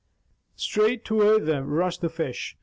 Straight toward them rushed the fish.